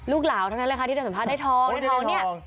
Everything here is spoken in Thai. ลูกหลาวทั้งนั้นเลยค่ะที่จะสัมภาษณ์ได้ทอง